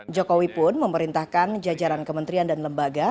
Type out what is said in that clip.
jokowi pun memerintahkan jajaran kementerian dan lembaga